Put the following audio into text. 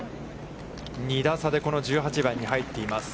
２打差で、この１８番に入っています。